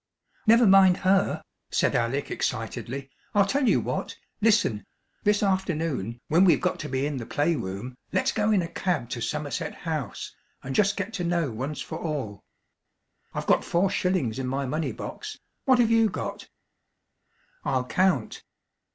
"Never mind her," said Alec excitedly. "I'll tell you what. Listen: this afternoon, when we've got to be in the play room, let's go in a cab to Somerset House, and just get to know once for all. I've got four shillings in my money box; what have you got?" "I'll count."